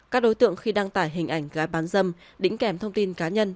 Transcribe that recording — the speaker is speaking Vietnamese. các đối tượng khi đăng tải hình ảnh gái bán dâm đính kèm thông tin cá nhân